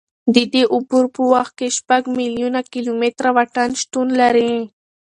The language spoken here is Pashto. د دې عبور په وخت کې به شپږ میلیونه کیلومتره واټن شتون ولري.